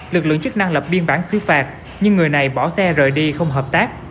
lực lượng chức năng lập biên bản xứ phạt nhưng người này bỏ xe rời đi không hợp tác